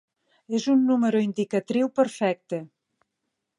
És un número indicatriu perfecte.